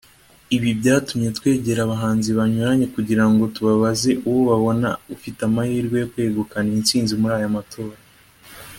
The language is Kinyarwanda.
Ibi byatumye twegera abahanzi banyuranye kugira ngo tubabaze uwo babona ufite amahirwe yo kwegukana intsinzi muri aya matora